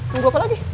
nunggu apa lagi